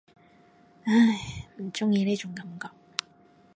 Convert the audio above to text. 唉，唔中意呢種感覺